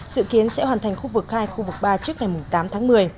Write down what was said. dự kiến sẽ hoàn thành khu vực hai khu vực ba trước ngày tám tháng một mươi